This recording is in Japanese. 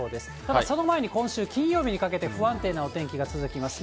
ただ、その前に今週金曜日にかけて不安定なお天気が続きます。